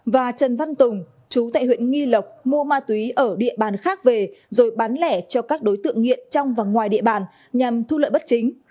và trần văn tùng chú tại huyện nghi lộc mua ma túy ở địa bàn khác về rồi bán lẻ cho các đối tượng nghiện trong và ngoài địa bàn nhằm thu lợi bất chính